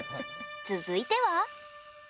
続いては。